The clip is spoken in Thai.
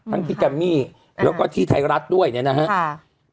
ทั้งที่แกมมี่แล้วก็ที่ไทยรัฐด้วยเนี่ยนะครับ